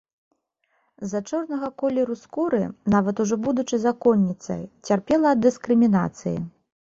З-за чорнага колеру скуры, нават ужо будучы законніцай, цярпела ад дыскрымінацыі.